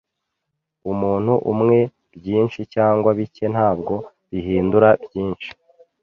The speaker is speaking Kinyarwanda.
Umuntu umwe byinshi cyangwa bike ntabwo bihindura byinshi.